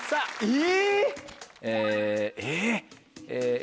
え？